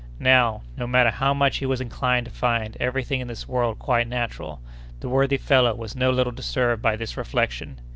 Now, no matter how much he was inclined to find every thing in this world quite natural, the worthy fellow was no little disturbed by this reflection.